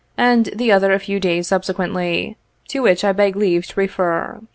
and the other a few days subsequently ; to which I beg leave to refer.